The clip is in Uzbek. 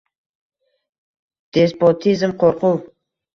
Despotizm — qo‘rquv.